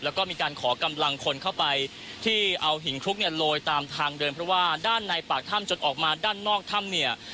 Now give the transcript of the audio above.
แล้วก็มีการขอกำลังคนเข้าไปที่เอาหินคลุกเนี่ยโรยตามทางเดินเพราะว่าด้านในปากถ้ำจนออกมาด้านนอกถ้ำเนี่ย